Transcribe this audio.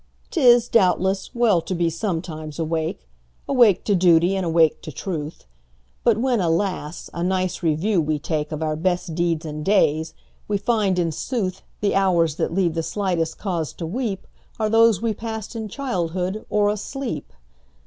'T is, doubtless, well to be sometimes awake,—Awake to duty, and awake to truth,—But when, alas! a nice review we takeOf our best deeds and days, we find, in sooth, The hours that leave the slightest cause to weepAre those we passed in childhood or asleep!